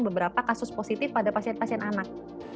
beberapa kasus positif pada pasien pasien anak